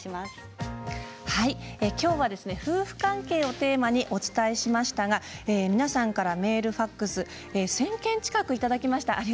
きょうは夫婦関係をテーマにお伝えしましたが皆さんからメール、ファックス１０００件近くいただきました。